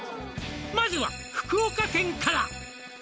「まずは福岡県から」